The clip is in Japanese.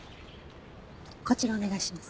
こちらお願いします。